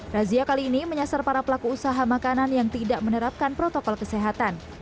razia kali ini menyasar para pelaku usaha makanan yang tidak menerapkan protokol kesehatan